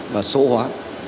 và số hóa